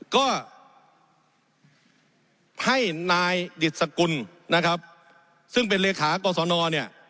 ก็ให้นายดิตสกุลนะครับซึ่งเป็นเลขากศนเนี่ย